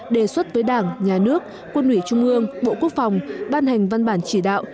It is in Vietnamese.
đề xuất với đảng nhà nước quân ủy trung ương bộ quốc phòng ban hành văn bản chỉ đạo